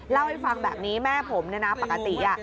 เล่าให้ฟังแบบนี้แม่ผมเนี่ยนะปกติ